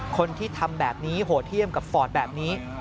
คนที่ทำแบบนี้โหดเยี่ยมกับฟอร์ดแบบนี้